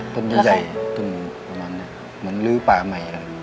ใช่ต้นใหญ่ต้นเหมือนลื้อป่าใหม่